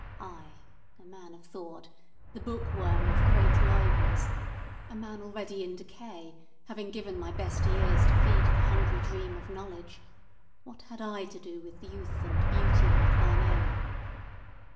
I—a man of thought—the book worm of great libraries—a man already in decay, having given my best years to feed the hungry dream of knowledge—what had I to do with youth and beauty like thine own?